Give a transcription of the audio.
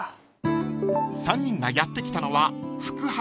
［３人がやって来たのは］